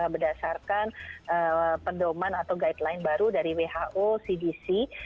berdasarkan pendoman atau guideline baru dari who cdc